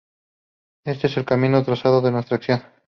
Este es el camino trazado a nuestra acción".